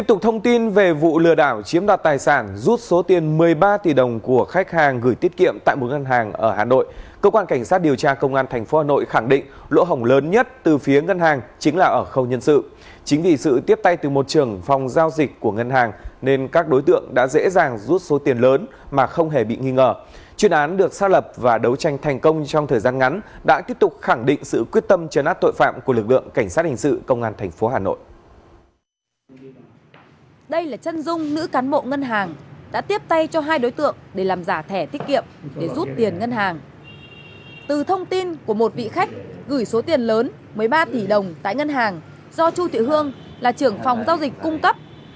từ thông tin của một vị khách gửi số tiền lớn một mươi ba tỷ đồng tại ngân hàng do chu thị hương là trưởng phòng giao dịch cung cấp